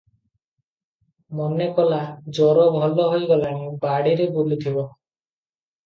ମନେ କଲା, ଜର ଭଲ ହୋଇ ଗଲାଣି, ବାଡ଼ିରେ ବୁଲୁଥିବ ।